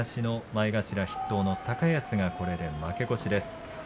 前頭筆頭の高安がこれで負け越しです。